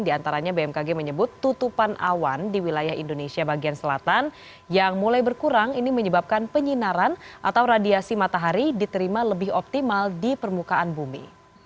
di antaranya bmkg menyebut tutupan awan di wilayah indonesia bagian selatan yang mulai berkurang ini menyebabkan penyinaran atau radiasi matahari diterima lebih optimal di permukaan bumi